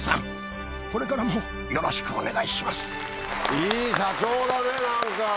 いい社長だね何か！